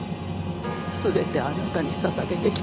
全てあなたに捧げてきたのに。